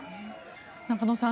中野さん